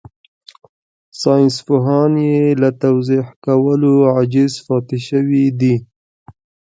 ساينسپوهان يې له توضيح کولو عاجز پاتې شوي دي.